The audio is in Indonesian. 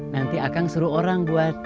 nanti akang suruh orang buat